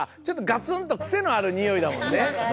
ちょっとがつんとクセのあるにおいだもんね？